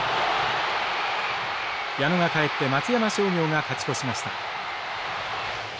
矢野が帰って松山商業が勝ち越しました。